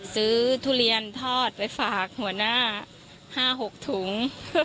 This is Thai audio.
ทุเรียนทอดไปฝากหัวหน้า๕๖ถุง